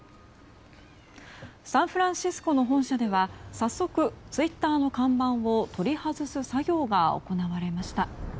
サンフランシスコの本社では早速ツイッターの看板を取り外す作業が行われました。